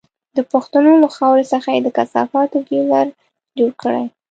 د پښتنو له خاورې څخه یې د کثافاتو بيولر جوړ کړی.